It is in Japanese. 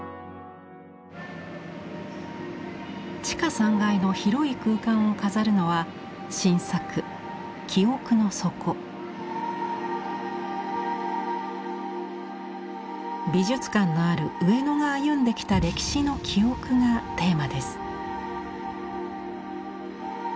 地下３階の広い空間を飾るのは新作美術館のある上野が歩んできた歴史の記憶がテーマです。